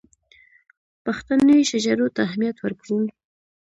پښتني شجرو ته اهمیت ورکړو.